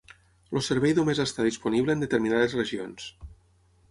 El servei només està disponible en determinades regions.